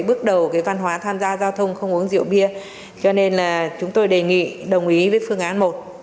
bước đầu cái văn hóa tham gia giao thông không uống rượu bia cho nên là chúng tôi đề nghị đồng ý với phương án một